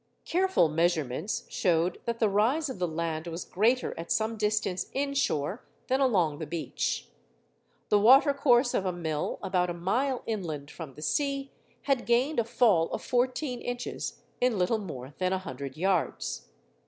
Careful measurements showed that the rise of the land was greater at some distance inshore than along the beach. The watercourse of a mill about a mile inland from the sea had gained a fall of fourteen inches in little more than a hundred yards.